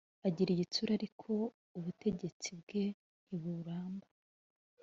agira igitsure ariko ubutegetsi bwe ntiburamba